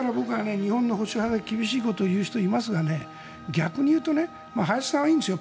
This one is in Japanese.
日本の保守派で厳しいことをいう人がいますが逆に言うと林さんはいいんですよ